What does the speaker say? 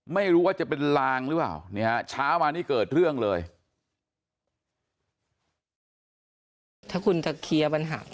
ไม่รู้ว่าจะเป็นลางหรือเปล่าเนี่ยฮะเช้ามานี่เกิดเรื่องเลย